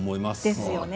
ですよね。